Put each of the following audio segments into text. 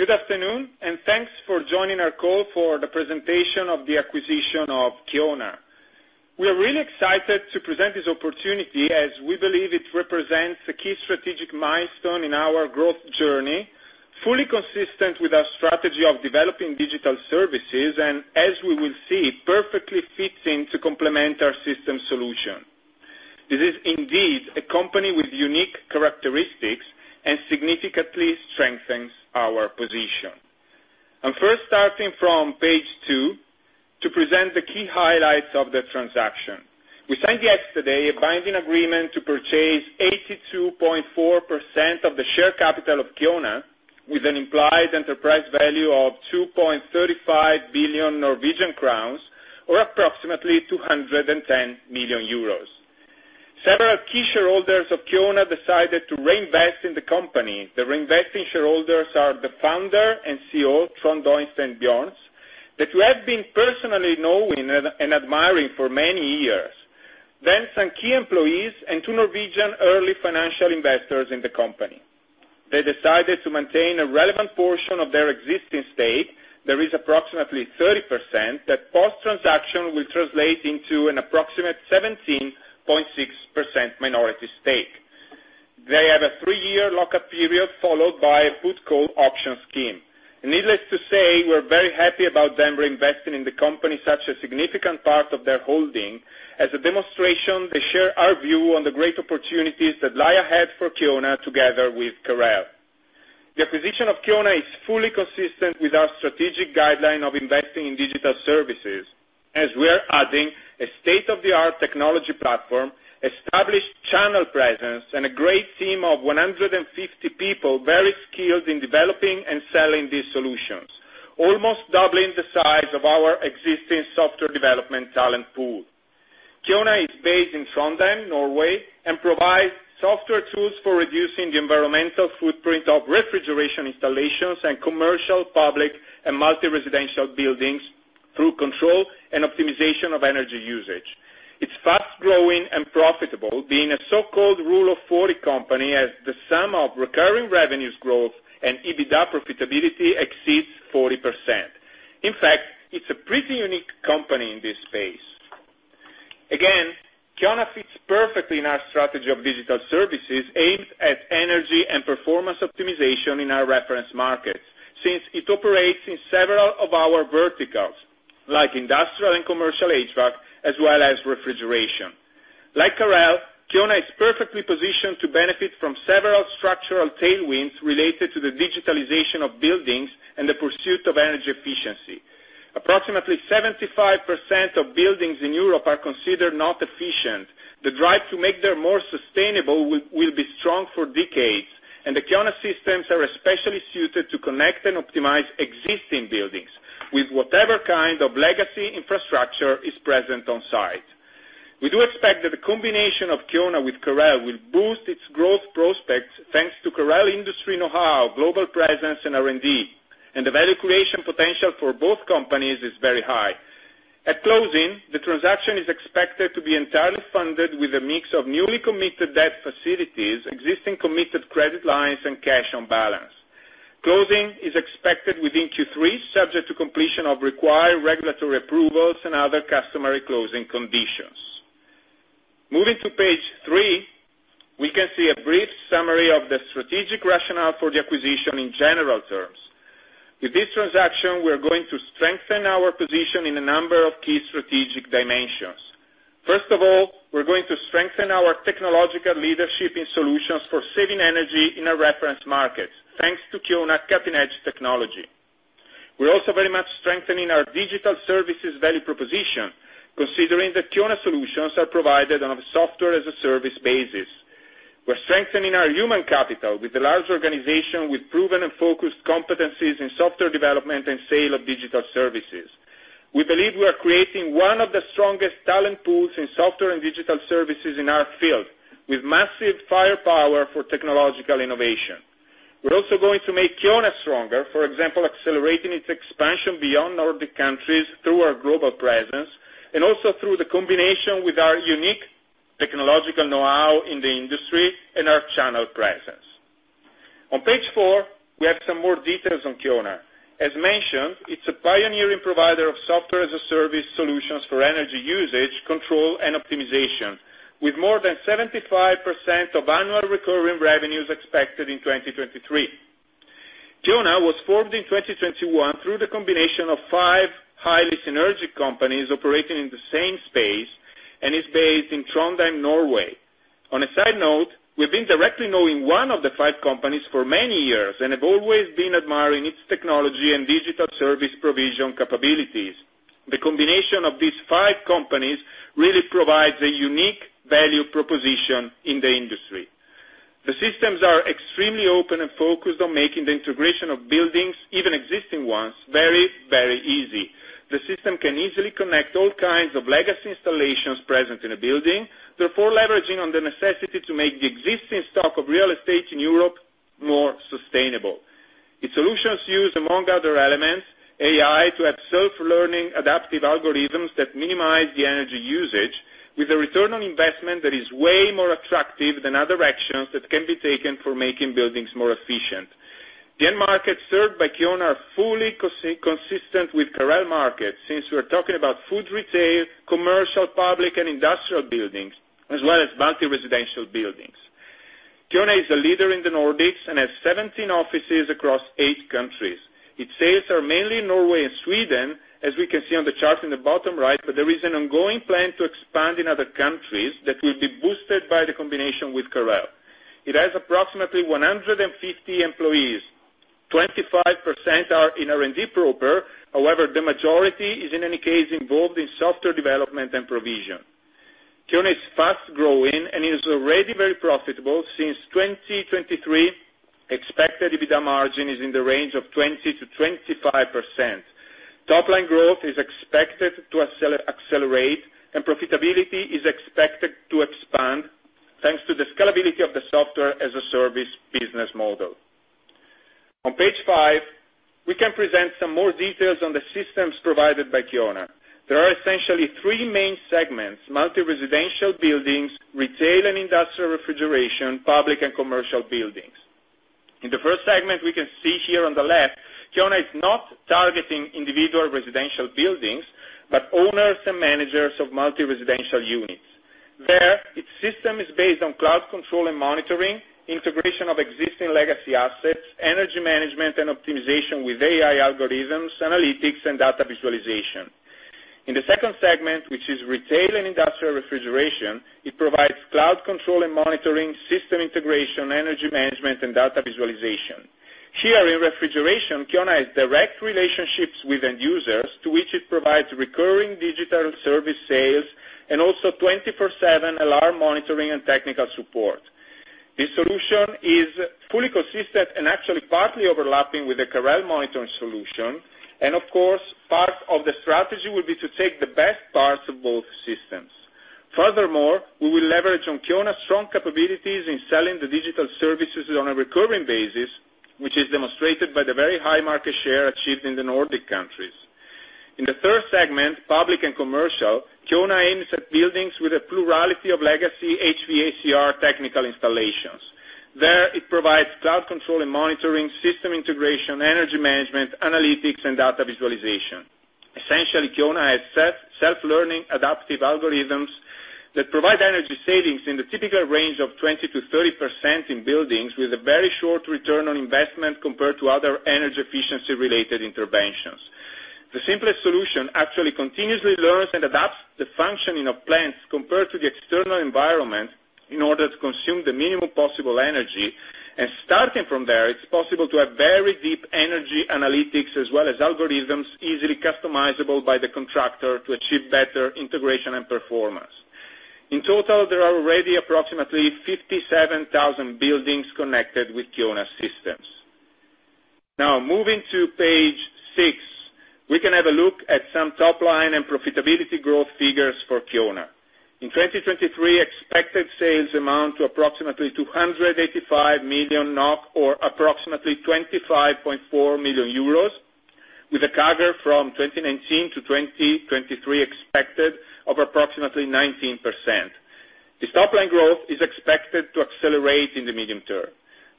Good afternoon. Thanks for joining our call for the presentation of the acquisition of Kiona. We are really excited to present this opportunity, as we believe it represents a key strategic milestone in our growth journey, fully consistent with our strategy of developing digital services, and as we will see, perfectly fits in to complement our system solution. This is indeed a company with unique characteristics and significantly strengthens our position. I'm first starting from page two to present the key highlights of the transaction. We signed yesterday a binding agreement to purchase 82.4% of the share capital of Kiona, with an implied enterprise value of 2.35 billion Norwegian crowns, or approximately 210 million euros. Several key shareholders of Kiona decided to reinvest in the company. The reinvesting shareholders are the founder and CEO, Trond-Øystein Bjørnnes, that we have been personally knowing and admiring for many years, some key employees and two Norwegian early financial investors in Kiona. They decided to maintain a relevant portion of their existing stake. There is approximately 30%, that post-transaction will translate into an approximate 17.6% minority stake. They have a three-year lock-up period, followed by a put-call option scheme. Needless to say, we're very happy about them reinvesting in Kiona, such a significant part of their holding, as a demonstration they share our view on the great opportunities that lie ahead for Kiona together with CAREL. The acquisition of Kiona is fully consistent with our strategic guideline of investing in digital services, as we are adding a state-of-the-art technology platform, established channel presence, and a great team of 150 people, very skilled in developing and selling these solutions, almost doubling the size of our existing software development talent pool. Kiona is based in Trondheim, Norway, and provides software tools for reducing the environmental footprint of refrigeration installations and commercial, public, and multi-residential buildings through control and optimization of energy usage. It's fast-growing and profitable, being a so-called rule of 40 company, as the sum of recurring revenues growth and EBITDA profitability exceeds 40%. It's a pretty unique company in this space. Kiona fits perfectly in our strategy of digital services aimed at energy and performance optimization in our reference markets, since it operates in several of our verticals, like industrial and commercial HVAC, as well as refrigeration. Like CAREL, Kiona is perfectly positioned to benefit from several structural tailwinds related to the digitalization of buildings and the pursuit of energy efficiency. Approximately 75% of buildings in Europe are considered not efficient. The drive to make them more sustainable will be strong for decades. The Kiona systems are especially suited to connect and optimize existing buildings with whatever kind of legacy infrastructure is present on site. We do expect that the combination of Kiona with CAREL will boost its growth prospects, thanks to CAREL industry know-how, global presence, and R&D. The value creation potential for both companies is very high. At closing, the transaction is expected to be entirely funded with a mix of newly committed debt facilities, existing committed credit lines, and cash on balance. Closing is expected within Q3, subject to completion of required regulatory approvals and other customary closing conditions. Moving to page three, we can see a brief summary of the strategic rationale for the acquisition in general terms. With this transaction, we are going to strengthen our position in a number of key strategic dimensions. First of all, we're going to strengthen our technological leadership in solutions for saving energy in our reference markets, thanks to Kiona's cutting-edge technology. We're also very much strengthening our digital services value proposition, considering that Kiona solutions are provided on a software-as-a-service basis. We're strengthening our human capital with a large organization, with proven and focused competencies in software development and sale of digital services. We believe we are creating one of the strongest talent pools in software and digital services in our field, with massive firepower for technological innovation. We're also going to make Kiona stronger, for example, accelerating its expansion beyond Nordic countries through our global presence, and also through the combination with our unique technological know-how in the industry and our channel presence. On page four, we have some more details on Kiona. As mentioned, it's a pioneering provider of software-as-a-service solutions for energy usage, control, and optimization, with more than 75% of annual recurring revenues expected in 2023. Kiona was formed in 2021 through the combination of five highly synergist companies operating in the same space, and is based in Trondheim, Norway. On a side note, we've been directly knowing one of the five companies for many years and have always been admiring its technology and digital service provision capabilities. The combination of these five companies really provides a unique value proposition in the industry. The systems are extremely open and focused on making the integration of buildings, even existing ones, very, very easy. The system can easily connect all kinds of legacy installations present in a building, therefore leveraging on the necessity to make the existing stock of real estate in Europe more sustainable. Its solutions use, among other elements, AI, to have self-learning, adaptive algorithms that minimize the energy usage.... With a return of investment that is way more attractive than other actions that can be taken for making buildings more efficient. The end market served by Kiona are fully consistent with CAREL market, since we're talking about food, retail, commercial, public, and industrial buildings, as well as multi-residential buildings. Kiona is a leader in the Nordics and has 17 offices across eight countries. Its sales are mainly in Norway and Sweden, as we can see on the chart in the bottom right, but there is an ongoing plan to expand in other countries that will be boosted by the combination with CAREL. It has approximately 150 employees. 25% are in R&D proper. The majority is, in any case, involved in software development and provision. Kiona is fast growing and is already very profitable. Since 2023, expected EBITDA margin is in the range of 20%-25%. Top line growth is expected to accelerate, and profitability is expected to expand, thanks to the scalability of the Software as a Service business model. On page five, we can present some more details on the systems provided by Kiona. There are essentially three main segments: multi-residential buildings, retail and industrial refrigeration, public and commercial buildings. In the first segment, we can see here on the left, Kiona is not targeting individual residential buildings, but owners and managers of multi-residential units. There, its system is based on cloud control and monitoring, integration of existing legacy assets, energy management and optimization with AI algorithms, analytics, and data visualization. In the second segment, which is retail and industrial refrigeration, it provides cloud control and monitoring, system integration, energy management, and data visualization. Here, in refrigeration, Kiona has direct relationships with end users, to which it provides recurring digital service sales and also 24/7 alarm monitoring and technical support. This solution is fully consistent and actually partly overlapping with the CAREL monitoring solution. Of course, part of the strategy will be to take the best parts of both systems. Furthermore, we will leverage on Kiona's strong capabilities in selling the digital services on a recurring basis, which is demonstrated by the very high market share achieved in the Nordic countries. In the third segment, public and commercial, Kiona aims at buildings with a plurality of legacy HVAC/R technical installations. There, it provides cloud control and monitoring, system integration, energy management, analytics, and data visualization. Essentially, Kiona has self-learning, adaptive algorithms that provide energy savings in the typical range of 20%-30% in buildings, with a very short return of investment compared to other energy efficiency-related interventions. The simplest solution actually continuously learns and adapts the functioning of plants compared to the external environment in order to consume the minimum possible energy, and starting from there, it's possible to have very deep energy analytics as well as algorithms, easily customizable by the contractor to achieve better integration and performance. In total, there are already approximately 57,000 buildings connected with Kiona systems. Moving to page six, we can have a look at some top line and profitability growth figures for Kiona. In 2023, expected sales amount to approximately 285 million NOK, or approximately 25.4 million euros, with a CAGR from 2019 to 2023 expected of approximately 19%. This top line growth is expected to accelerate in the medium term.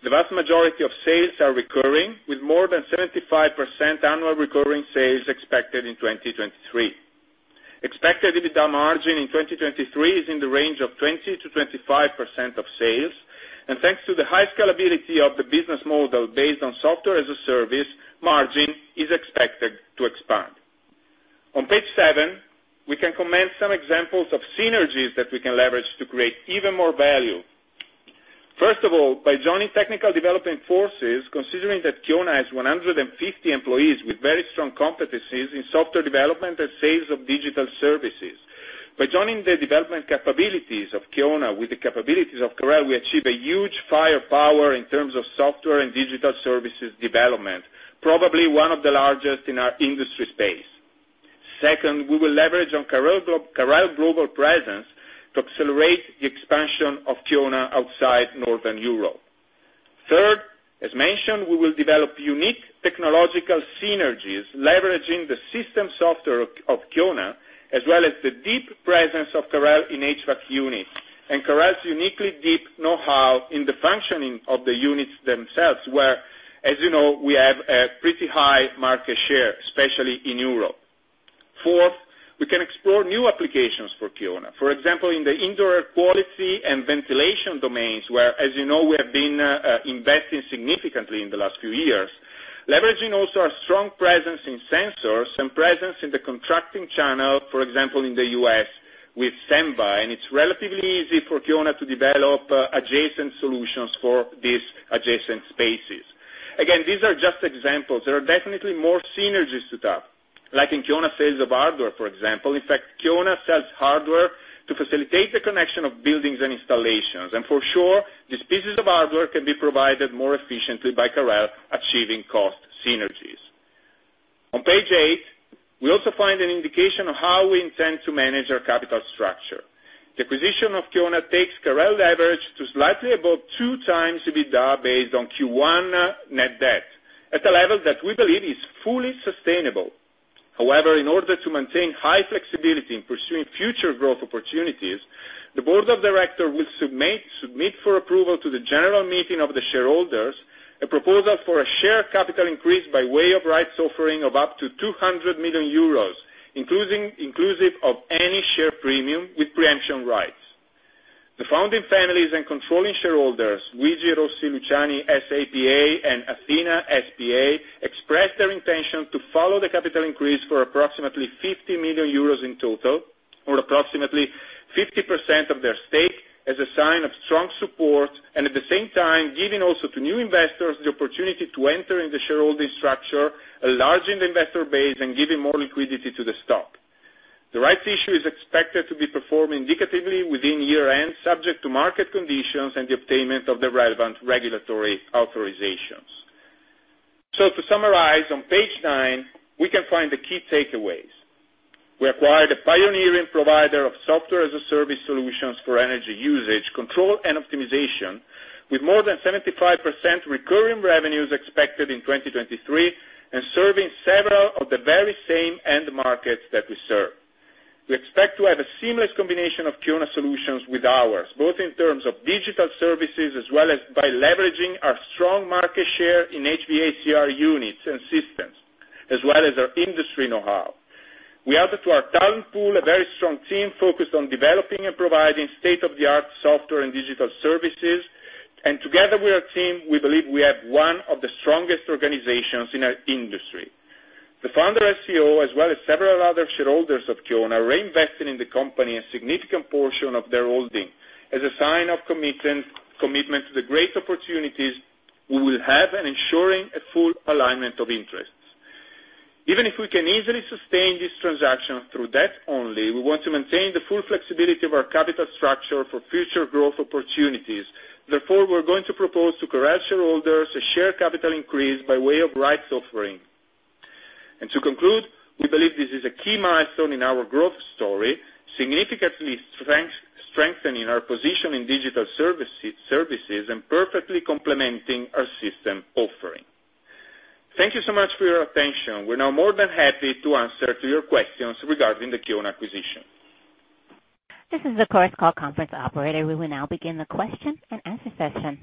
The vast majority of sales are recurring, with more than 75% annual recurring sales expected in 2023. Expected EBITDA margin in 2023 is in the range of 20%-25% of sales, and thanks to the high scalability of the business model based on software as a service, margin is expected to expand. On page seven, we can commend some examples of synergies that we can leverage to create even more value. First of all, by joining technical development forces, considering that Kiona has 150 employees with very strong competencies in software development and sales of digital services. By joining the development capabilities of Kiona with the capabilities of CAREL, we achieve a huge firepower in terms of software and digital services development, probably one of the largest in our industry space. Second, we will leverage on CAREL global presence to accelerate the expansion of Kiona outside Northern Europe. Third, as mentioned, we will develop unique technological synergies, leveraging the system software of Kiona, as well as the deep presence of CAREL in HVAC units, and CAREL's uniquely deep know-how in the functioning of the units themselves, where, as you know, we have a pretty high market share, especially in Europe. Fourth, we can explore new applications for Kiona. For example, in the indoor air quality and ventilation domains, where, as you know, we have been investing significantly in the last few years. Leveraging also our strong presence in sensors and presence in the contracting channel, for example, in the U.S. with Senva, and it's relatively easy for Kiona to develop adjacent solutions for these adjacent spaces. Again, these are just examples. There are definitely more synergies to tap, like in Kiona sales of hardware, for example. In fact, Kiona sells hardware to facilitate the connection of buildings and installations, and for sure, these pieces of hardware can be provided more efficiently by CAREL, achieving cost synergies. On page eight, we also find an indication of how we intend to manage our capital structure. The acquisition of Kiona takes CAREL leverage to slightly above 2x EBITDA based on Q1 net debt.... At a level that we believe is fully sustainable. In order to maintain high flexibility in pursuing future growth opportunities, the board of directors will submit for approval to the general meeting of the shareholders, a proposal for a share capital increase by way of rights offering of up to 200 million euros, inclusive of any share premium with preemption rights. The founding families and controlling shareholders, Luigi Rossi Luciani, S.A.P.A., and Athena S.p.A., expressed their intention to follow the capital increase for approximately 50 million euros in total, or approximately 50% of their stake, as a sign of strong support, and at the same time, giving also to new investors the opportunity to enter in the shareholding structure, enlarging the investor base and giving more liquidity to the stock. The rights issue is expected to be performed indicatively within year end, subject to market conditions and the obtainment of the relevant regulatory authorizations. To summarize, on page nine, we can find the key takeaways. We acquired a pioneering provider of software as a service solutions for energy usage, control, and optimization, with more than 75% recurring revenues expected in 2023, and serving several of the very same end markets that we serve. We expect to have a seamless combination of Kiona solutions with ours, both in terms of digital services as well as by leveraging our strong market share in HVAC/R units and systems, as well as our industry know-how. We added to our talent pool, a very strong team focused on developing and providing state-of-the-art software and digital services, and together with our team, we believe we have one of the strongest organizations in our industry. The Founder and CEO, as well as several other shareholders of Kiona, are reinvesting in the company a significant portion of their holding as a sign of commitment to the great opportunities we will have and ensuring a full alignment of interests. Even if we can easily sustain this transaction through debt only, we want to maintain the full flexibility of our capital structure for future growth opportunities. Therefore, we're going to propose to current shareholders a share capital increase by way of rights offering. To conclude, we believe this is a key milestone in our growth story, significantly strengthening our position in digital services, and perfectly complementing our system offering. Thank you so much for your attention. We're now more than happy to answer to your questions regarding the Kiona acquisition. This is the Chorus Call conference operator. We will now begin the question and answer session.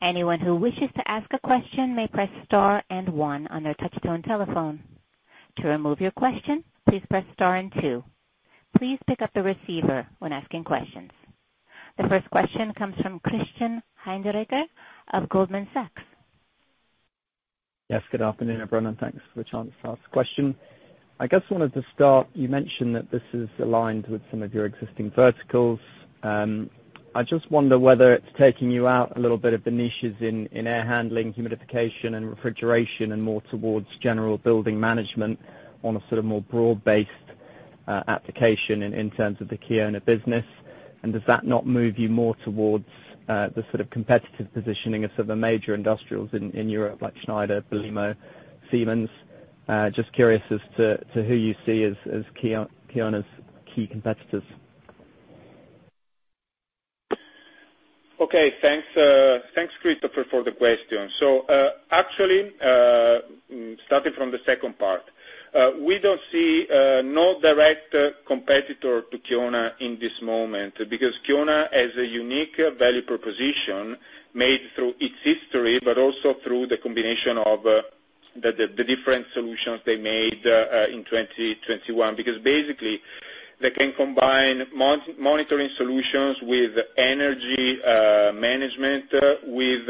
Anyone who wishes to ask a question may press star and one on their touchtone telephone. To remove your question, please press star and two. Please pick up the receiver when asking questions. The first question comes from Christian Hinderaker of Goldman Sachs. Yes, good afternoon, everyone. Thanks for the chance to ask a question. I guess I wanted to start. You mentioned that this is aligned with some of your existing verticals. I just wonder whether it's taking you out a little bit of the niches in air handling, humidification and refrigeration and more towards general building management on a sort of more broad-based application in terms of the Kiona business. Does that not move you more towards the sort of competitive positioning of some of the major industrials in Europe, like Schneider, Belimo, Siemens? Just curious as to who you see as Kiona's key competitors? Okay, thanks, Christopher, for the question. Actually, starting from the second part, we don't see no direct competitor to Kiona in this moment, because Kiona has a unique value proposition made through its history, but also through the combination of the different solutions they made in 2021. Basically, they can combine monitoring solutions with energy management, with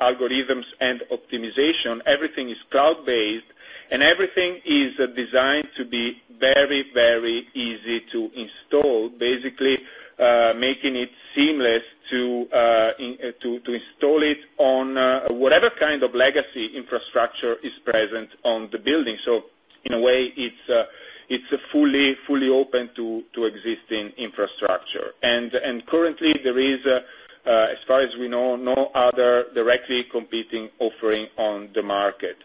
algorithms and optimization. Everything is cloud-based, and everything is designed to be very, very easy to install, basically, making it seamless to install it on whatever kind of legacy infrastructure is present on the building. In a way, it's fully open to existing infrastructure. Currently, there is, as far as we know, no other directly competing offering on the market.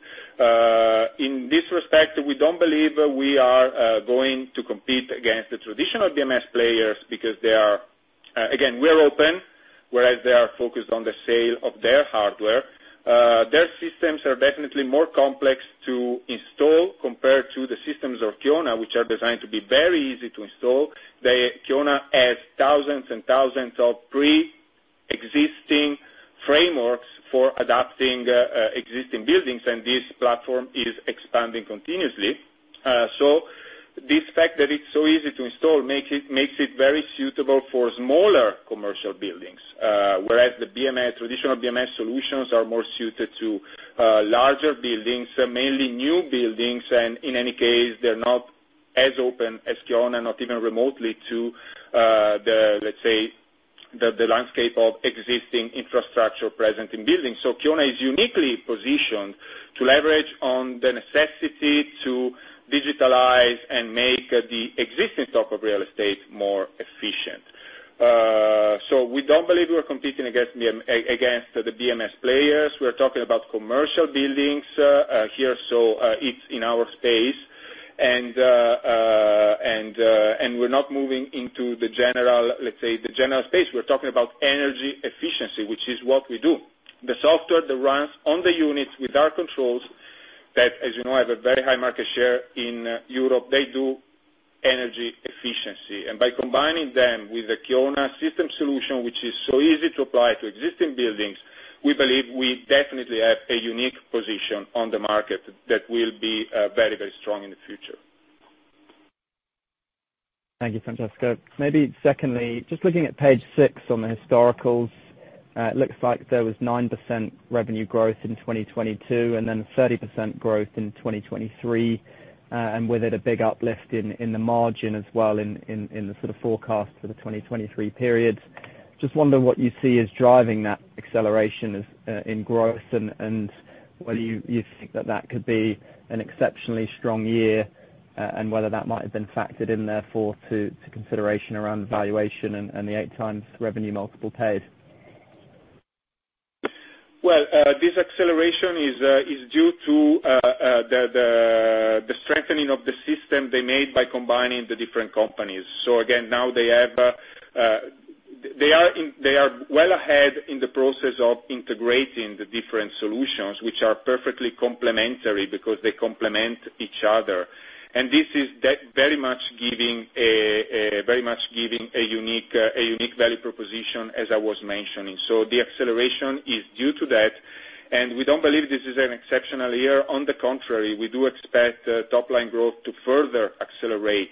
In this respect, we don't believe we are going to compete against the traditional BMS players because they are, again, we are open, whereas they are focused on the sale of their hardware. Their systems are definitely more complex to install compared to the systems of Kiona, which are designed to be very easy to install. Kiona has thousands and thousands of pre-existing frameworks for adapting existing buildings, and this platform is expanding continuously. This fact that it's so easy to install, makes it very suitable for smaller commercial buildings, whereas the BMS, traditional BMS solutions are more suited to larger buildings, mainly new buildings, and in any case, they're not as open as Kiona, not even remotely to the, let's say, the landscape of existing infrastructure present in buildings. Kiona is uniquely positioned to leverage on the necessity to digitalize and make the existing stock of real estate more efficient. We don't believe we're competing against the BMS players. We're talking about commercial buildings here, it's in our space. We're not moving into the general, let's say, the general space. We're talking about energy efficiency, which is what we do. The software that runs on the units with our controls, that, as you know, have a very high market share in Europe, they do energy efficiency. By combining them with the Kiona system solution, which is so easy to apply to existing buildings, we believe we definitely have a unique position on the market that will be very, very strong in the future. Thank you, Francesco. Maybe secondly, just looking at page six on the historicals, it looks like there was 9% revenue growth in 2022, and then 30% growth in 2023. With it, a big uplift in the margin as well, in the sort of forecast for the 2023 period. Just wondering what you see is driving that acceleration is in growth, and whether you think that could be an exceptionally strong year, and whether that might have been factored in therefore, to consideration around the valuation and the 8x revenue multiple paid? Well, this acceleration is due to the strengthening of the system they made by combining the different companies. Again, now they have, they are well ahead in the process of integrating the different solutions, which are perfectly complementary, because they complement each other. This is that very much giving a unique value proposition, as I was mentioning. The acceleration is due to that, and we don't believe this is an exceptional year. On the contrary, we do expect top line growth to further accelerate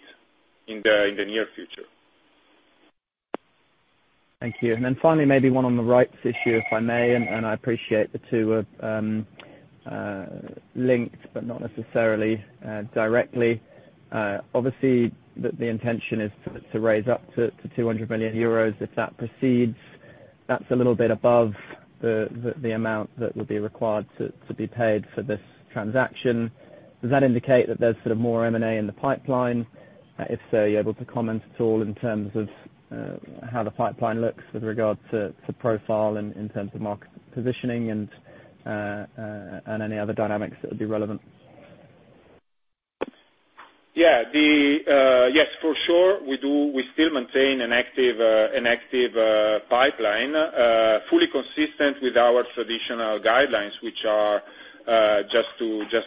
in the near future. Thank you. Finally, maybe one on the rights issue, if I may, and I appreciate the two are linked, but not necessarily directly. Obviously, the intention is to raise up to 200 million euros. If that proceeds, that's a little bit above the amount that would be required to be paid for this transaction. Does that indicate that there's sort of more M&A in the pipeline? If so, are you able to comment at all in terms of how the pipeline looks with regard to profile and in terms of market positioning and any other dynamics that would be relevant? Yes, for sure. We still maintain an active pipeline, fully consistent with our traditional guidelines, which are, just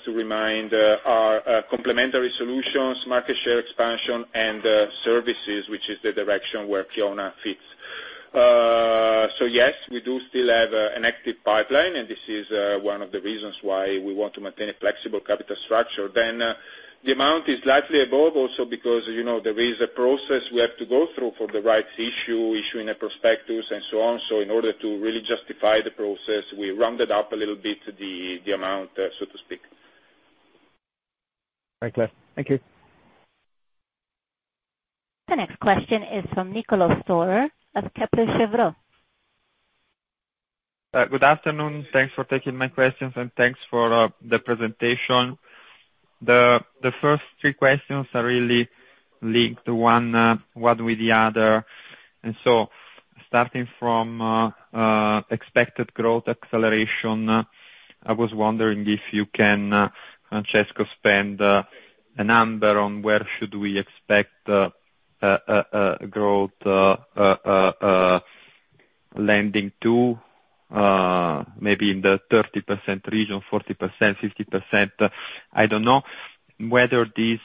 to remind, are, complementary solutions, market share expansion, and services, which is the direction where Kiona fits. Yes, we do still have an active pipeline, and this is one of the reasons why we want to maintain a flexible capital structure. The amount is slightly above, also, because, you know, there is a process we have to go through for the rights issue, issuing a prospectus, and so on. In order to really justify the process, we rounded up a little bit, the amount, so to speak. Right, clear. Thank you. The next question is from Niccolo Storer of Kepler Cheuvreux. Good afternoon. Thanks for taking my questions, and thanks for the presentation. The first three questions are really linked, one with the other. Starting from expected growth acceleration, I was wondering if you can, Francesco, spend a number on where should we expect lending to, maybe in the 30% region, 40%, 50%? I don't know whether this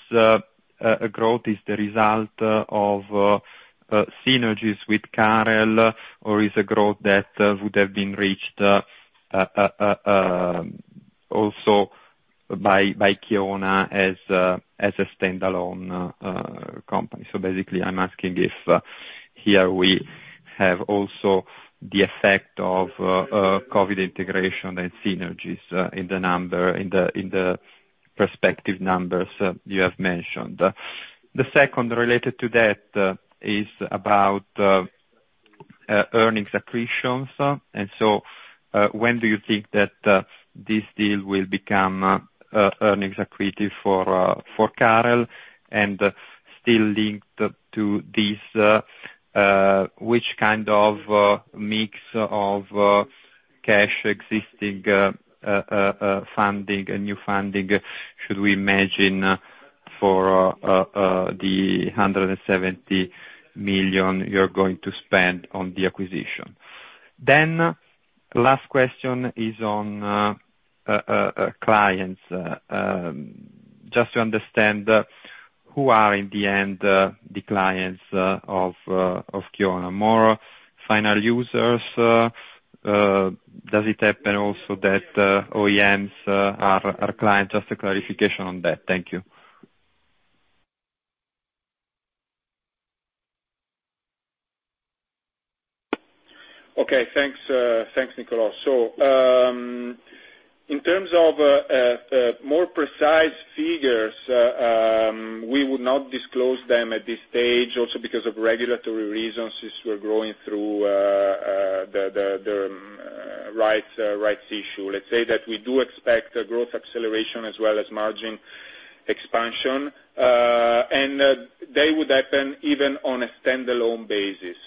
growth is the result of synergies with CAREL, or is a growth that would have been reached also by Kiona as a standalone company. So basically I'm asking if here we have also the effect of CAREL integration and synergies in the prospective numbers you have mentioned. The second related to that is about earnings accretions. When do you think that this deal will become earnings accretive for CAREL? Still linked to this, which kind of mix of cash existing funding and new funding should we imagine for the 170 million you're going to spend on the acquisition? Last question is on clients. Just to understand who are in the end the clients of Kiona. More final users, does it happen also that OEMs are clients? Just a clarification on that. Thank you. Okay. Thanks, thanks, Niccolo. In terms of more precise figures, we would not disclose them at this stage, also because of regulatory reasons, since we're going through the rights issue. Let's say that we do expect a growth acceleration as well as margin expansion, they would happen even on a standalone basis.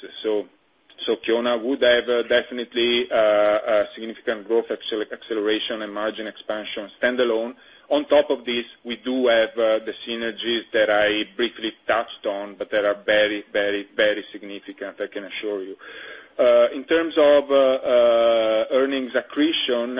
Kiona would have definitely a significant growth acceleration and margin expansion standalone. On top of this, we do have the synergies that I briefly touched on, but that are very, very, very significant, I can assure you. In terms of earnings accretion,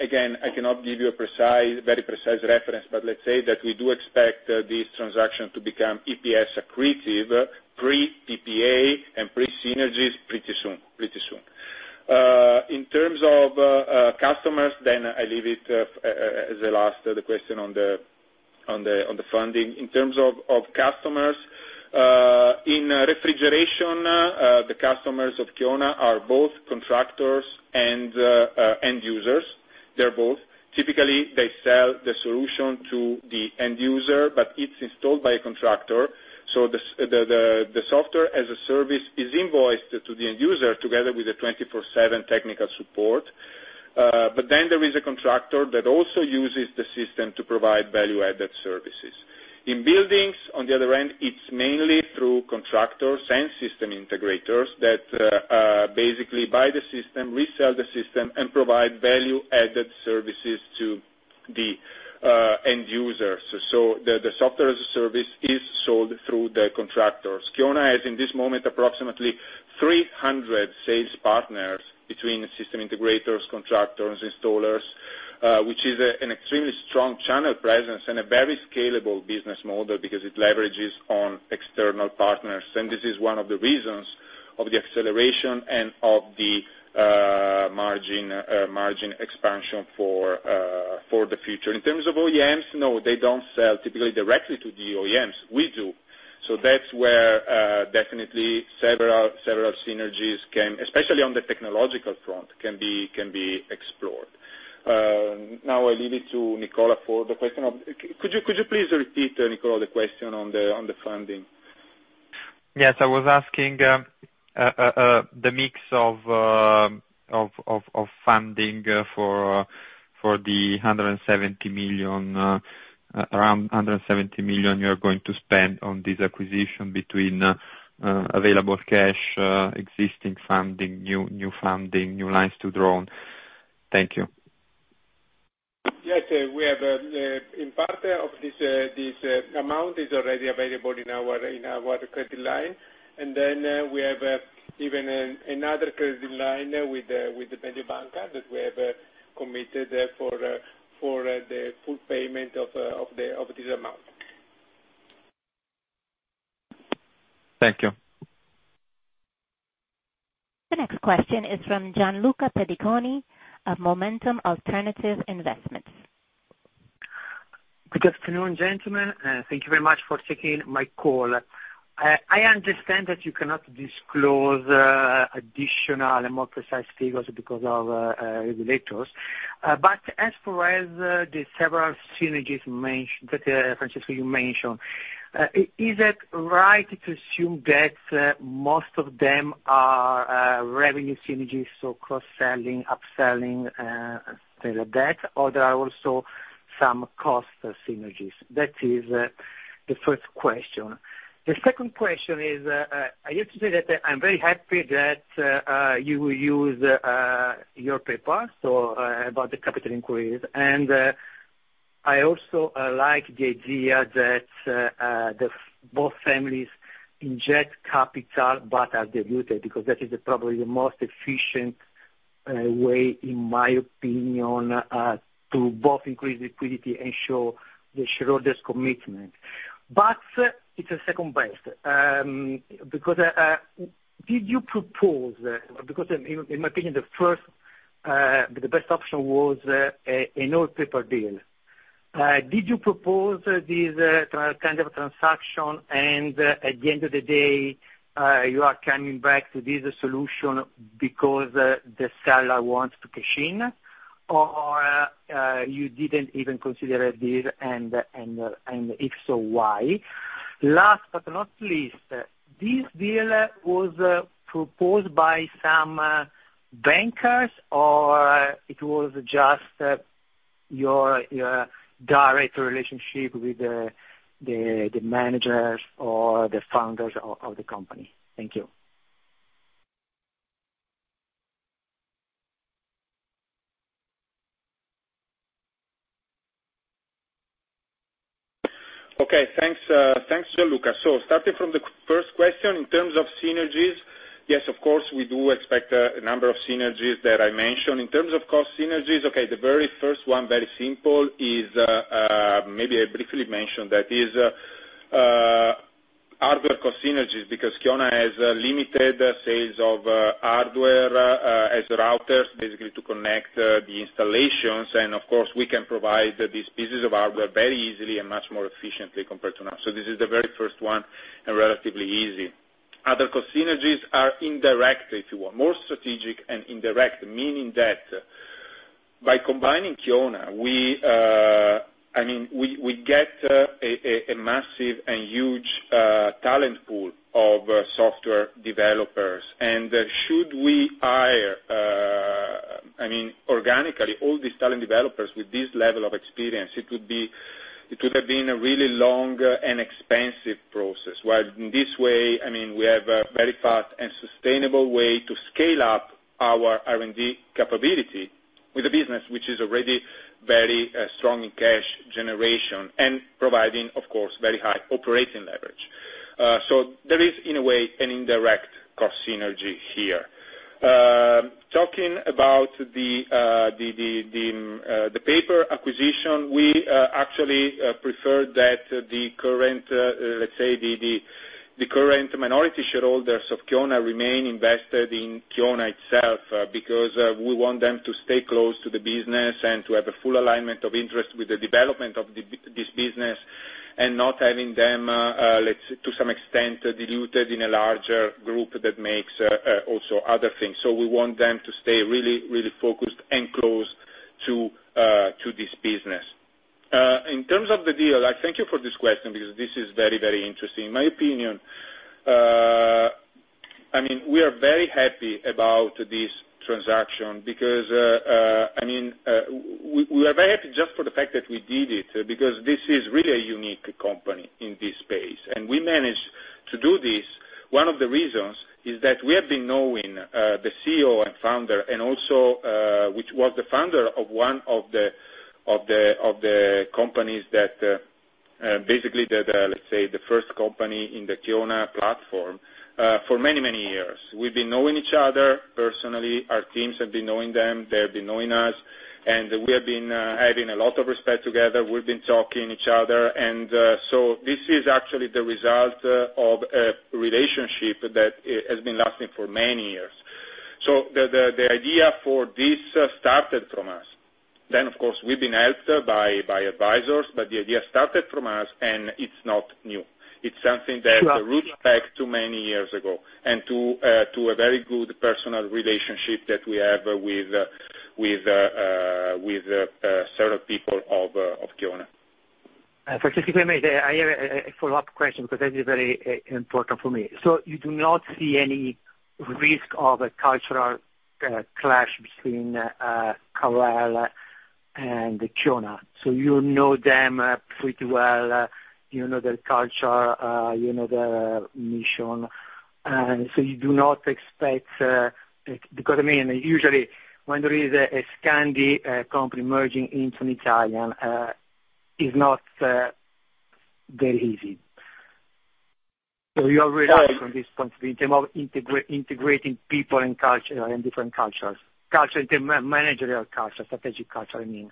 again, I cannot give you a precise, very precise reference, but let's say that we do expect this transaction to become EPS accretive, pre-PPA and pre-synergies pretty soon, pretty soon. In terms of customers, then I leave it as the last, the question on the, on the, on the funding. In terms of customers, in refrigeration, the customers of Kiona are both contractors and end users. They're both. Typically, they sell the solution to the end user, but it's installed by a contractor, so the software as a service is invoiced to the end user together with a 24/7 technical support. There is a contractor that also uses the system to provide value-added services. In buildings, on the other end, it's mainly through contractors and system integrators that basically buy the system, resell the system, and provide value-added services to the end users. The software as a service is sold through the contractors. Kiona has, in this moment, approximately 300 sales partners between system integrators, contractors, installers, which is an extremely strong channel presence and a very scalable business model because it leverages on external partners, and this is one of the reasons of the acceleration and of the margin expansion for the future. In terms of OEMs, no, they don't sell typically directly to the OEMs. We do. That's where definitely several synergies can, especially on the technological front, can be explored. Now I leave it to Niccolo for the question of... Could you please repeat, Niccolo, the question on the funding? I was asking, the mix of funding for the 170 million, around 170 million you're going to spend on this acquisition between available cash, existing funding, new funding, new lines to draw on. Thank you. Yes, we have, in part of this amount is already available in our credit line, and then, we have even another credit line with Mediobanca that we have committed for the full payment of this amount. Thank you. The next question is from Gianluca Pediconi of MOMentum Alternative Investments. Good afternoon, gentlemen, and thank you very much for taking my call. I understand that you cannot disclose additional and more precise figures because of regulators. As far as the several synergies mentioned, that Francesco, you mentioned, is it right to assume that most of them are revenue synergies, so cross-selling, upselling, things like that, or there are also some cost synergies? The first question. The second question is, I have to say that I'm very happy that you will use your paper about the capital inquiries. I also like the idea that the both families inject capital but are diluted, because that is probably the most efficient way, in my opinion, to both increase liquidity and show the shareholders' commitment. It's a second best, because did you propose, because in my opinion, the first, the best option was an old paper deal. Did you propose this kind of transaction and at the end of the day, you are coming back to this solution because the seller wants to cash in? Or you didn't even consider this, and if so, why? Last but not least, this deal was proposed by some bankers, or it was just your direct relationship with the managers or the founders of the company? Thank you. Okay. Thanks, thanks, Gianluca. Starting from the first question, in terms of synergies, yes, of course, we do expect, a number of synergies that I mentioned. In terms of cost synergies, the very first one, very simple, is, maybe I briefly mentioned that, is, hardware cost synergies, because Kiona has limited sales of, hardware, as routers, basically to connect, the installations, and of course, we can provide these pieces of hardware very easily and much more efficiently compared to now. This is the very first one, and relatively easy. Other cost synergies are indirect, if you want, more strategic and indirect, meaning that by combining Kiona, we, I mean, we get, a massive and huge, talent pool of, software developers. Should we hire, I mean, organically, all these talent developers with this level of experience, it would have been a really long and expensive process. In this way, I mean, we have a very fast and sustainable way to scale up our R&D capability with a business which is already very strong in cash generation and providing, of course, very high operating leverage. There is, in a way, an indirect cost synergy here. Talking about the paper acquisition, we actually prefer that the current, let's say, the current minority shareholders of Kiona remain invested in Kiona itself because we want them to stay close to the business and to have a full alignment of interest with the development of this business, and not having them, let's say, to some extent, diluted in a larger group that makes also other things. We want them to stay really, really focused and close to this business. In terms of the deal, I thank you for this question because this is very, very interesting. In my opinion, I mean, we are very happy about this transaction because, I mean, we are very happy just for the fact that we did it, because this is really a unique company in this space, and we managed to do this. One of the reasons is that we have been knowing the CEO and Founder, and also, which was the Founder of one of the, of the, of the companies that, basically that, the first company in the Kiona platform, for many, many years. We've been knowing each other personally. Our teams have been knowing them, they have been knowing us, and we have been having a lot of respect together. We've been talking each other. This is actually the result of a relationship that has been lasting for many years. The idea for this started from us. Of course, we've been helped by advisors, but the idea started from us, and it's not new. It's something that roots back to many years ago, and to a very good personal relationship that we have with several people of Kiona. Francesco, may I have a follow-up question, because this is very important for me. You do not see any risk of a cultural clash between CAREL and Kiona? You know them pretty well, you know their culture, you know their mission, you do not expect. I mean, usually, when there is a Scandi company merging into an Italian, it's not very easy. You are relaxed on this point, in term of integrating people and culture and different cultures, in term managerial culture, strategic culture, I mean.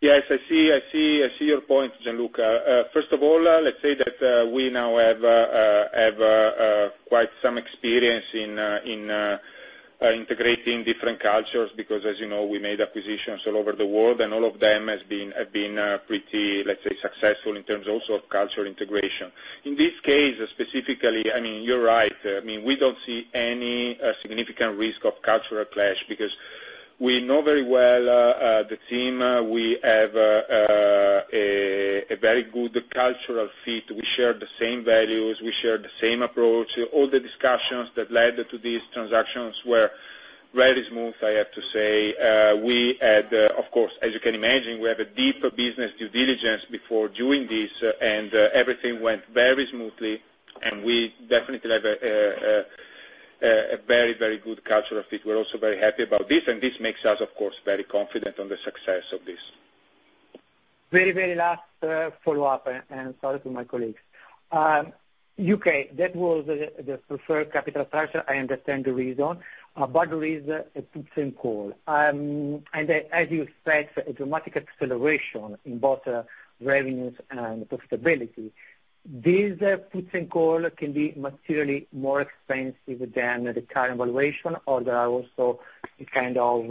Yes, I see, I see, I see your point, Gianluca. First of all, let's say that we now have quite some experience in integrating different cultures, because as you know, we made acquisitions all over the world, and all of them has been, have been, pretty, let's say, successful in terms also of cultural integration. In this case, specifically, I mean, you're right. I mean, we don't see any significant risk of cultural clash, because we know very well the team. We have a very good cultural fit. We share the same values, we share the same approach. All the discussions that led to these transactions were very smooth, I have to say. We had, of course, as you can imagine, we have a deep business due diligence before doing this, and everything went very smoothly, and we definitely have a very, very good cultural fit. We're also very happy about this, and this makes us, of course, very confident on the success of this. Very, very last follow-up, and sorry to my colleagues. U.K., that was the preferred capital structure. I understand the reason, but there is a put and call. As you expect, a dramatic acceleration in both revenues and profitability, this put and call can be materially more expensive than the current valuation, or there are also kind of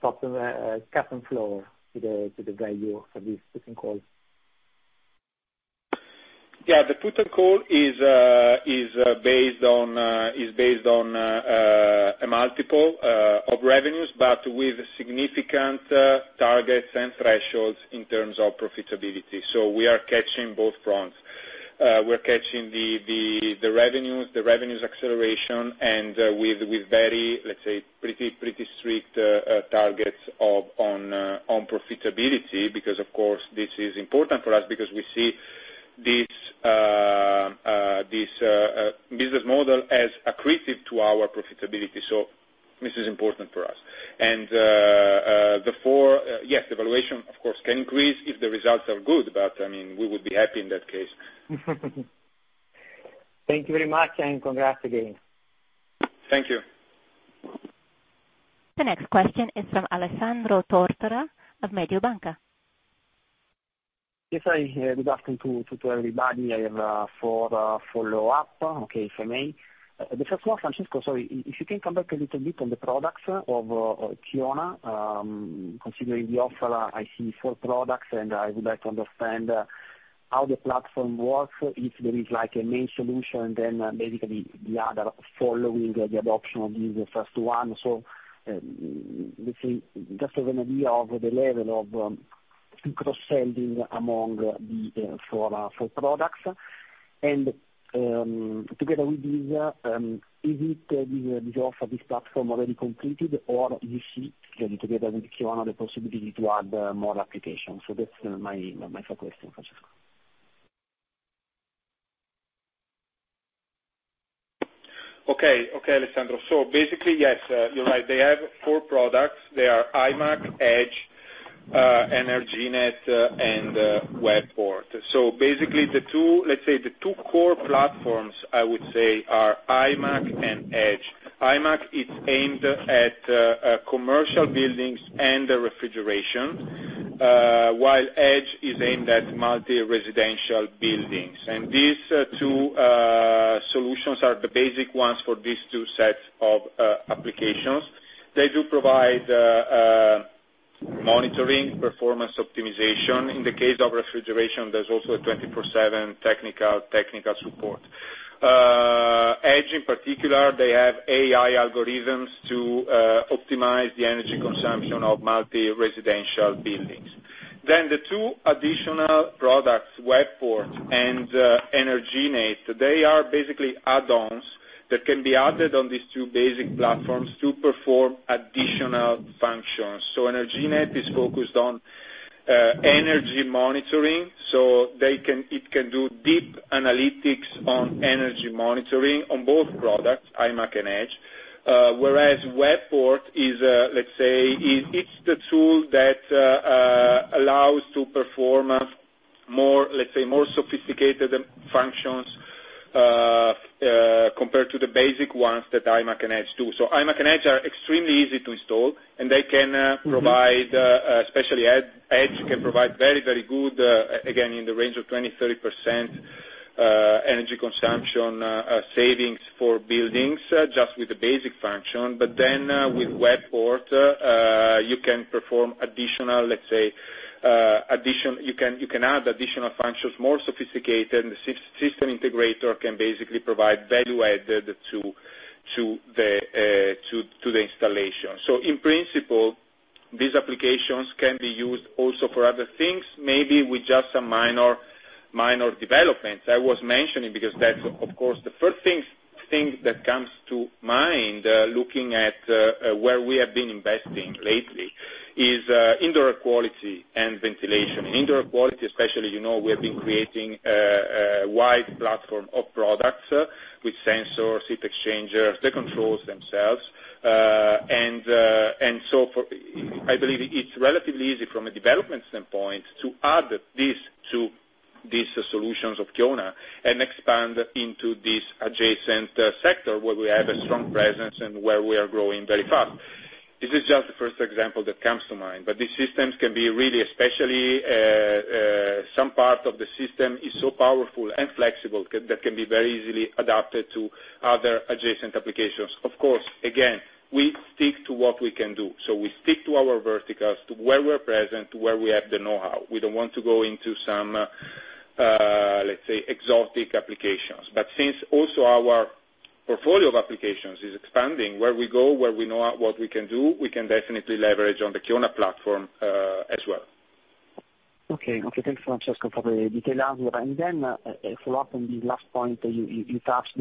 top and cap and floor to the value of this put and call? Yeah, the put and call is based on a multiple of revenues, but with significant targets and thresholds in terms of profitability. We are catching both fronts. We're catching the revenues, the revenues acceleration, and with very, let's say, pretty strict targets on profitability, because, of course, this is important for us, because we see this business model as accretive to our profitability. This is important for us. The valuation, of course, can increase if the results are good, but, I mean, we would be happy in that case. Thank you very much. Congrats again. Thank you. The next question is from Alessandro Tortora of Mediobanca. Yes, I, good afternoon to everybody. I have four follow-up, okay, if I may. The first one, Francesco, if you can come back a little bit on the products of Kiona. Considering the offer, I see four products, and I would like to understand how the platform works, if there is like a main solution, then basically the other following the adoption of the first one. Let's say, just as an idea of the level of... to cross-selling among the four products. Together with these, is it, the offer, this platform already completed, or you see getting together with Kiona, the possibility to add more applications? That's my first question, Francesco. Okay. Okay, Alessandro. You're right. They have four products. They are IWMAC, Edge, Energinet, and Web Port. The two core platforms, I would say, are IWMAC and Edge. IWMAC is aimed at commercial buildings and refrigeration, while Edge is aimed at multi-residential buildings. These two solutions are the basic ones for these two sets of applications. They do provide monitoring, performance optimization. In the case of refrigeration, there's also a 24/7 technical support. Edge, in particular, they have AI algorithms to optimize the energy consumption of multi-residential buildings. The two additional products, Web Port and Energinet, they are basically add-ons that can be added on these two basic platforms to perform additional functions. Energinet is focused on energy monitoring, it can do deep analytics on energy monitoring on both products, IWMAC and Edge. Whereas Web Port is, it's the tool that allows to perform a more sophisticated functions compared to the basic ones that IWMAC and Edge do. IWMAC and Edge are extremely easy to install, and they can provide, especially Edge, can provide very, very good, again, in the range of 20%-30% energy consumption savings for buildings just with the basic function. With Web Port, you can perform additional, you can add additional functions, more sophisticated, and the system integrator can basically provide value added to the installation. In principle, these applications can be used also for other things, maybe with just some minor developments. I was mentioning, because that's, of course, the first thing that comes to mind, looking at where we have been investing lately, is indoor quality and ventilation. indoor quality, especially, you know, we have been creating a wide platform of products with sensors, heat exchangers, the controls themselves. I believe it's relatively easy from a development standpoint to add this to these solutions of Kiona and expand into this adjacent sector where we have a strong presence and where we are growing very fast. This is just the first example that comes to mind, these systems can be really, especially, some part of the system is so powerful and flexible, that can be very easily adapted to other adjacent applications. Of course, again, we stick to what we can do. We stick to our verticals, to where we're present, to where we have the know-how. We don't want to go into some, let's say, exotic applications. Since also our portfolio of applications is expanding, where we go, where we know what we can do, we can definitely leverage on the Kiona platform, as well. Okay. Okay, thanks, Francesco, for the detailed answer. Then, follow up on the last point you touched,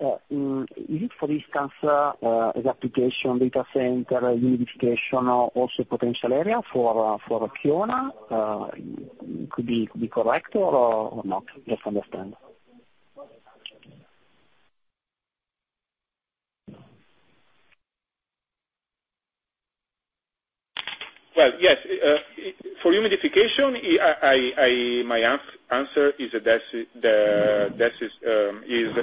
is it for instance, as application data center, humidification, also potential area for Kiona? Could be correct or not? Just to understand. Well, yes, for humidification, my answer is that's, the, that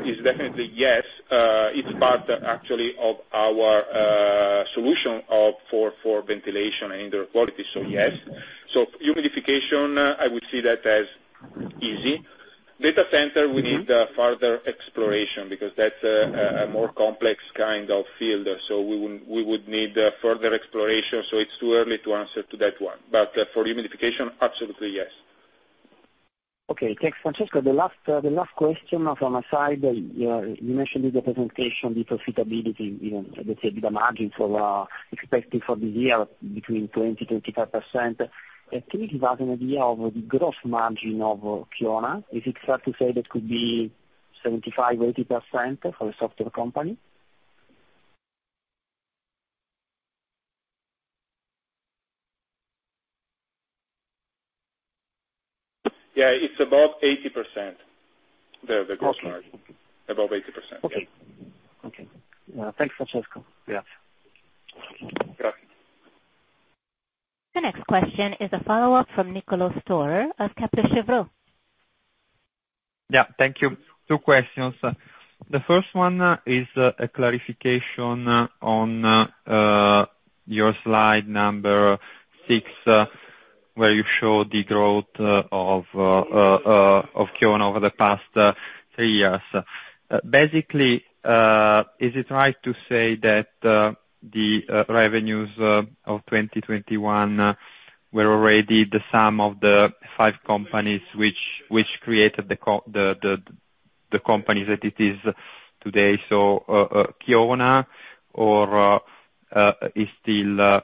is definitely yes. It's part actually of our solution of for ventilation and indoor quality, so yes. Humidification, I would see that as easy. Data center Mm-hmm. We need, further exploration, because that's a more complex kind of field, so we would need, further exploration, so it's too early to answer to that one. For humidification, absolutely, yes. Thanks, Francesco. The last question from my side, you mentioned in the presentation the profitability, you know, let's say the margin for expected for this year between 20%-25%. Can you give us an idea of the gross margin of Kiona? Is it fair to say that could be 75%-80% for a software company? Yeah, it's about 80%, the gross margin. Okay. Above 80%, yes. Okay. Okay, thanks, Francesco. Grazie. Grazie. The next question is a follow-up from Niccolo Storer of Kepler Cheuvreux. Yeah, thank you. Two questions. The first one is a clarification on your slide number six, where you show the growth of Kiona over the past three years. Basically, is it right to say that the revenues of 2021 were already the sum of the five companies which created the company that it is today, so Kiona, or is still a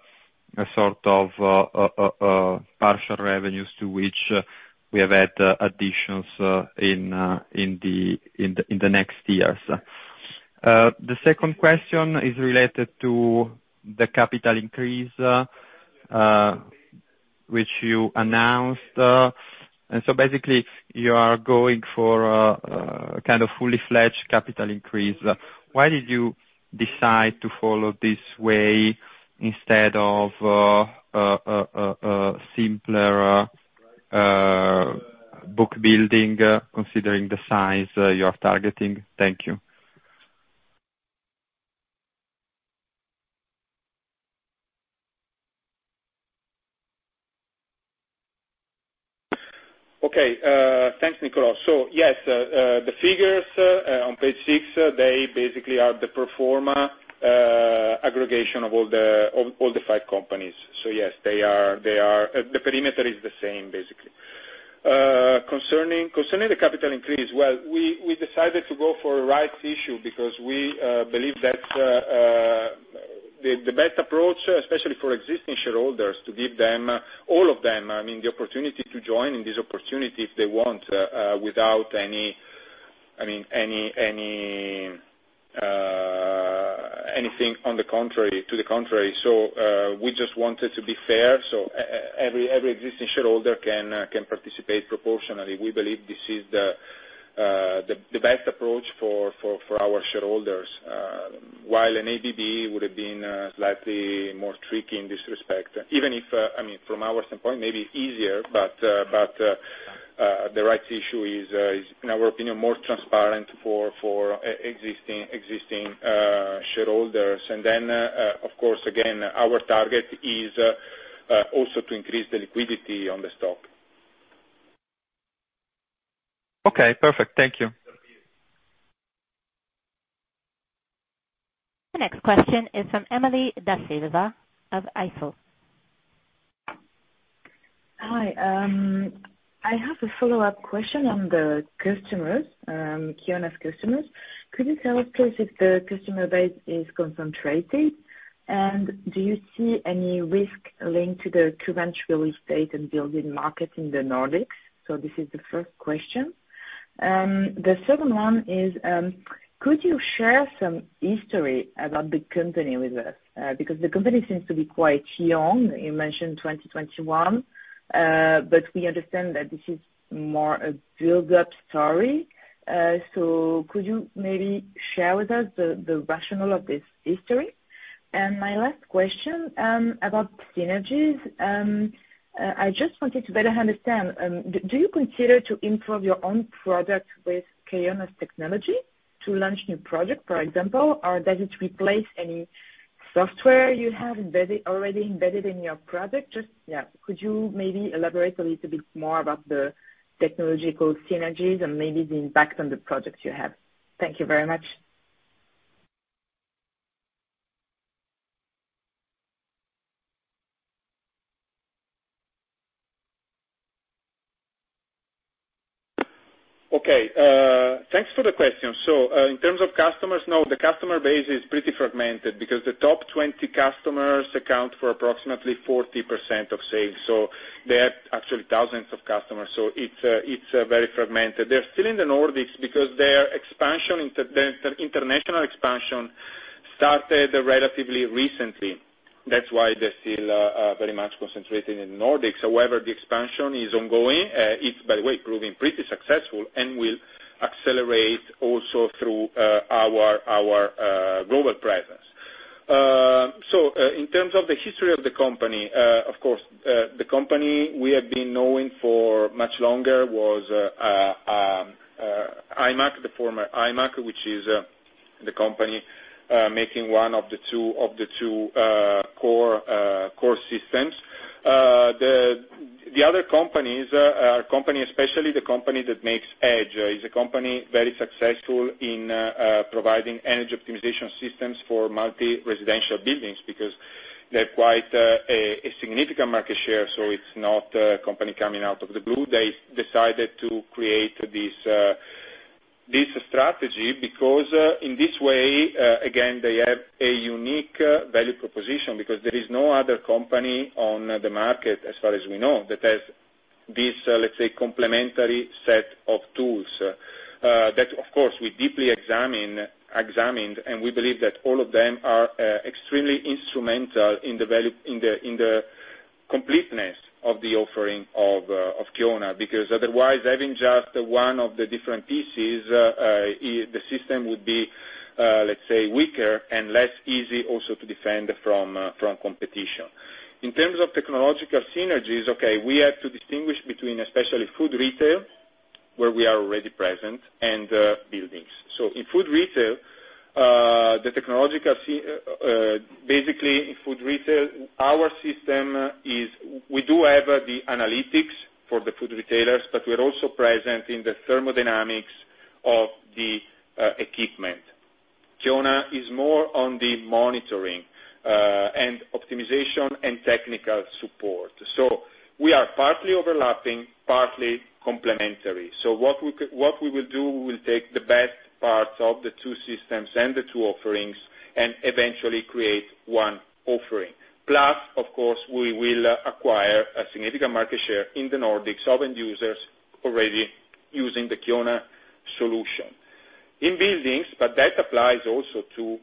sort of partial revenues to which we have had additions in the next years. The second question is related to the capital increase which you announced. Basically, you are going for kind of fully-fledged capital increase. Why did you decide to follow this way instead of simpler book building, considering the size you're targeting? Thank you. Okay. Thanks, Niccolo. Yes, the figures on page six, they basically are the pro forma aggregation of all the, of all the five companies. Yes, they are the perimeter is the same, basically. Concerning the capital increase, well, we decided to go for a right issue because we believe that the best approach, especially for existing shareholders, to give them, all of them, I mean, the opportunity to join in this opportunity if they want, without any, I mean, any, anything on the contrary, to the contrary. We just wanted to be fair, so every existing shareholder can participate proportionally. We believe this is the best approach for our shareholders. While an ABD would have been slightly more tricky in this respect, even if, I mean, from our standpoint, maybe easier, but the rights issue is, in our opinion, more transparent for existing shareholders. Of course, again, our target is also to increase the liquidity on the stock. Okay, perfect. Thank you. The next question is from Emilie da Silva of Eiffel. Hi. I have a follow-up question on the customers, Kiona's customers. Could you tell us if the customer base is concentrated? Do you see any risk linked to the current real estate and building market in the Nordics? This is the first question. The second one is, could you share some history about the company with us? Because the company seems to be quite young. You mentioned 2021, but we understand that this is more a build-up story. Could you maybe share with us the rationale of this history? My last question, about synergies. I just wanted to better understand, do you consider to improve your own product with Kiona's technology to launch new project, for example, or does it replace any software you have already embedded in your product? Just, yeah, could you maybe elaborate a little bit more about the technological synergies and maybe the impact on the products you have? Thank you very much. Okay. Thanks for the question. In terms of customers, no, the customer base is pretty fragmented because the top 20 customers account for approximately 40% of sales. There are actually thousands of customers, so it's very fragmented. They're still in the Nordics because their international expansion started relatively recently. That's why they're still very much concentrated in the Nordics. However, the expansion is ongoing, it's by the way, proving pretty successful and will accelerate also through our global presence. In terms of the history of the company, of course, the company we have been knowing for much longer was IMARK, the former IMARK, which is the company making one of the two core systems. The other companies, company, especially the company that makes Edge, is a company very successful in providing energy optimization systems for multi-residential buildings because they have quite a significant market share, so it's not a company coming out of the blue. They decided to create this strategy because in this way, again, they have a unique value proposition because there is no other company on the market, as far as we know, that has this, let's say, complementary set of tools. That of course, we deeply examined, and we believe that all of them are extremely instrumental in the value, in the completeness of the offering of Kiona. Otherwise, having just one of the different pieces, the system would be, let's say, weaker and less easy also to defend from competition. In terms of technological synergies, okay, we have to distinguish between especially food retail, where we are already present, and buildings. In food retail, the technological basically, in food retail, our system is we do have the analytics for the food retailers, but we're also present in the thermodynamics of the equipment. Kiona is more on the monitoring, and optimization and technical support. We are partly overlapping, partly complementary. What we will do, we will take the best parts of the two systems and the two offerings and eventually create one offering. Plus, of course, we will acquire a significant market share in the Nordics of end users already using the Kiona solution. In buildings, but that applies also to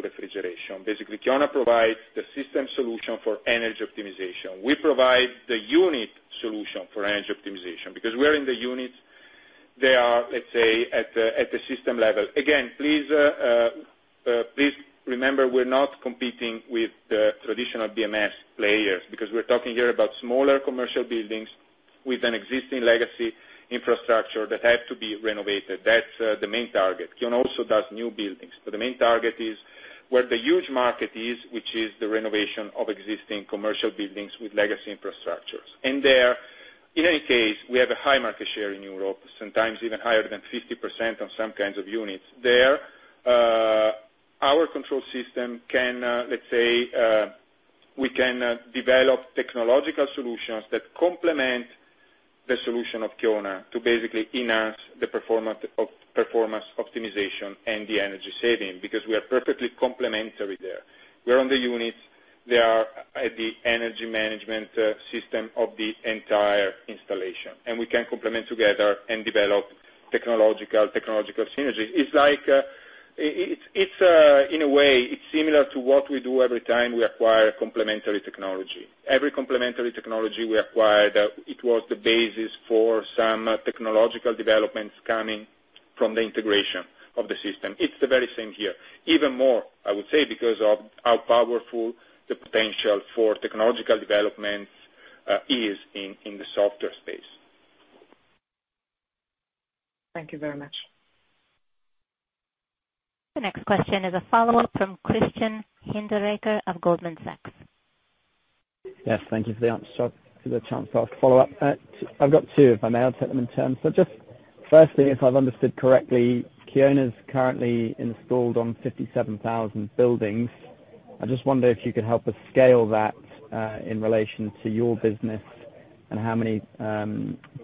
refrigeration. Basically, Kiona provides the system solution for energy optimization. We provide the unit solution for energy optimization, because we're in the units, they are, let's say, at the system level. Again, please remember, we're not competing with the traditional BMS players, because we're talking here about smaller commercial buildings with an existing legacy infrastructure that have to be renovated. That's the main target. Kiona also does new buildings, but the main target is where the huge market is, which is the renovation of existing commercial buildings with legacy infrastructures. There, in any case, we have a high market share in Europe, sometimes even higher than 50% on some kinds of units. There, our control system can, let's say, we can develop technological solutions that complement the solution of Kiona to basically enhance the performance optimization and the energy saving, because we are perfectly complementary there. We're on the units, they are at the energy management system of the entire installation, and we can complement together and develop technological synergies. It's like, it's in a way, it's similar to what we do every time we acquire complementary technology. Every complementary technology we acquire, it was the basis for some technological developments coming from the integration of the system. It's the very same here. Even more, I would say, because of how powerful the potential for technological development, is in the software space. Thank you very much. The next question is a follow-up from Christian Hinderaker of Goldman Sachs. Yes, thank you for the answer. Just for the chance to ask a follow-up. I've got two, if I may, I'll take them in turn. Just firstly, if I've understood correctly, Kiona's currently installed on 57,000 buildings. I just wonder if you could help us scale that, in relation to your business and how many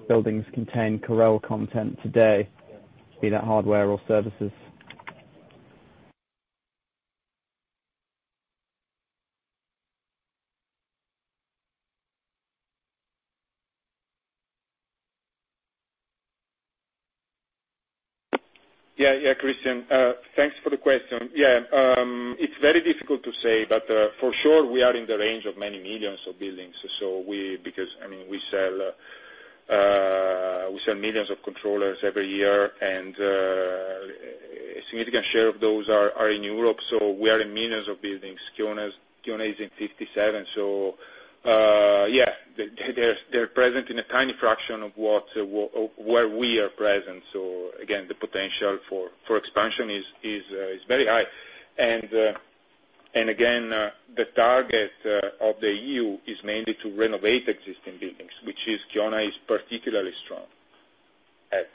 buildings contain CAREL content today, be that hardware or services? Yeah. Yeah, Christian, thanks for the question. Yeah, it's very difficult to say, but for sure, we are in the range of many millions of buildings. Because, I mean, we sell, we sell millions of controllers every year, and a significant share of those are in Europe, so we are in millions of buildings. Kiona's, Kiona is in 57, so, yeah, they're present in a tiny fraction of what, where we are present. Again, the potential for expansion is very high. Again, the target of the EU is mainly to renovate existing buildings, which is Kiona is particularly strong at.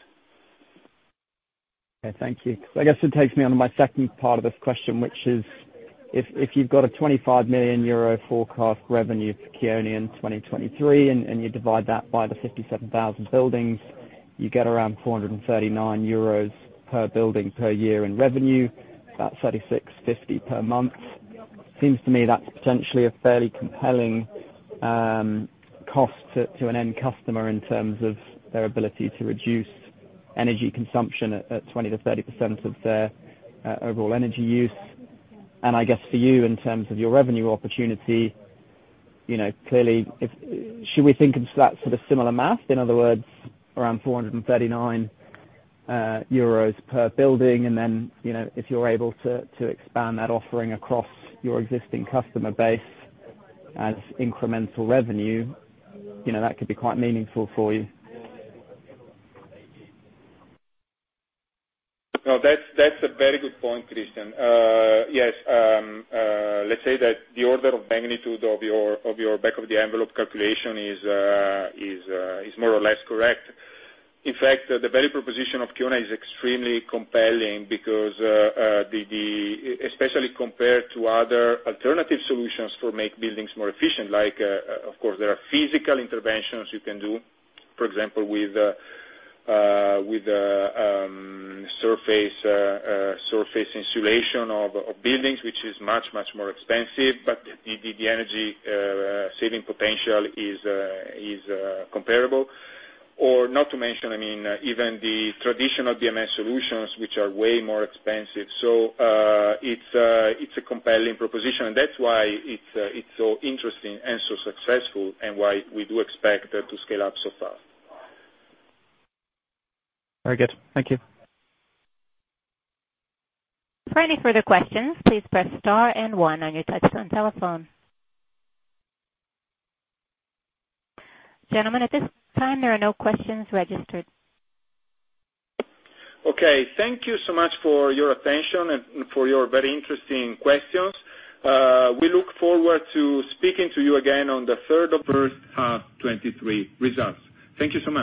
Okay, thank you. I guess it takes me on to my second part of this question, which is if you've got a 25 million euro forecast revenue for Kiona in 2023, you divide that by the 57,000 buildings, you get around 439 euros per building per year in revenue. That's 36.50 per month. Seems to me that's potentially a fairly compelling cost to an end customer in terms of their ability to reduce energy consumption at 20%-30% of their overall energy use. I guess for you, in terms of your revenue opportunity, you know, clearly, Should we think of that sort of similar math? In other words, around 439 euros per building, and then, you know, if you're able to expand that offering across your existing customer base as incremental revenue, you know, that could be quite meaningful for you. That's a very good point, Christian. Yes, let's say that the order of magnitude of your back of the envelope calculation is more or less correct. In fact, the very proposition of Kiona is extremely compelling because the especially compared to other alternative solutions to make buildings more efficient. Like, of course, there are physical interventions you can do, for example, with surface insulation of buildings, which is much more expensive, but the energy saving potential is comparable. Not to mention, I mean, even the traditional BMS solutions, which are way more expensive. It's a compelling proposition. That's why it's so interesting and so successful and why we do expect it to scale up so fast. Very good. Thank you. For any further questions, please press star and one on your touchtone telephone. Gentlemen, at this time, there are no questions registered. Okay. Thank you so much for your attention and for your very interesting questions. We look forward to speaking to you again on the 3rd of 2023 results. Thank you so much.